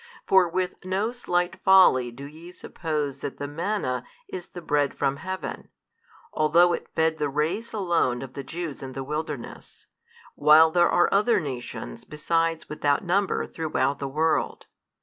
For with no slight folly do ye suppose that the manna is the Bread from heaven, although it fed the race alone of the Jews in the wilderness, while there are other nations besides without number throughout the world.